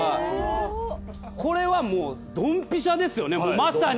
これはもうドンピシャですよねまさに。